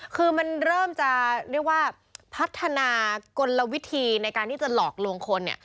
คือมันเริ่มจะเรียกว่าพัฒนากลวิธีในการที่จะหลอกลวงคนเนี่ย